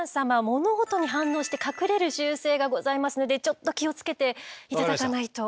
物音に反応して隠れる習性がございますのでちょっと気を付けて頂かないと。